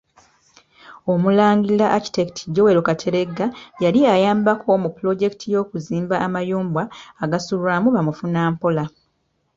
Omulangira Architect Joel kateregga yali ayambako mu pulojekiti y’okuzimba amayumba agasulwamu bamufunampola.